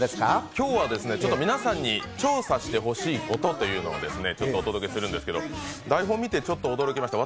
今日は皆さんに調査してほしいことお届けするんですけど台本見て驚きました。